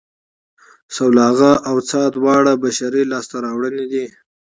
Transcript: سلواغه او څا دواړه بشري لاسته راوړنې دي